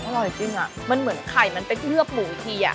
อร่อยจริงอ่ะมันเหมือนไข่มันไปเคลือบหมูอีกที